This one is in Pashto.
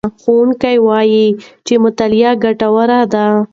ښوونکی وایي چې مطالعه ګټوره ده.